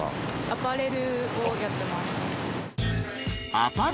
アパレルをやってます